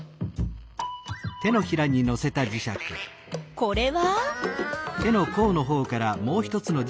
これは？